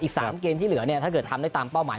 อีก๓เกมที่เหลือเนี่ยถ้าเกิดทำได้ตามเป้าหมาย